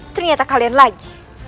ternyata kalian lagi